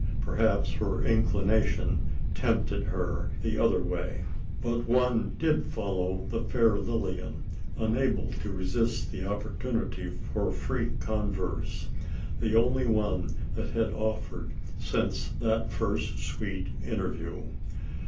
Perhaps her inclination tempted her the other way? But one did follow the fair Lilian unable to resist the opportunity for free converse the only one that had offered since that first sweet interview.